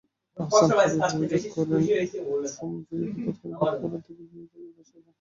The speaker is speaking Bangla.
আহসান হাবিব অভিযোগ করেন, ফোন পেয়ে তাৎক্ষণিকভাবে বাগমারা থেকে তিনি ভাইয়ের বাসায় যান।